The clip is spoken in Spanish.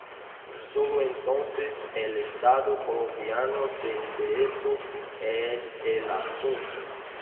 Solo entonces el estado colombiano se interesó en el asunto.